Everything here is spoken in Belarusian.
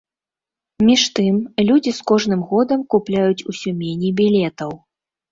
Між тым, людзі з кожным годам купляюць усё меней білетаў.